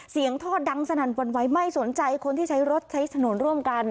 ท่อดังสนั่นวันไหวไม่สนใจคนที่ใช้รถใช้ถนนร่วมกัน